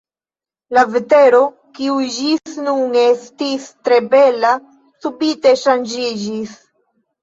La vetero, kiu ĝis nun estis tre bela, subite ŝanĝiĝis.